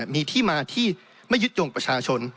มีที่มาที่ไม่ยึดโยงประชาชน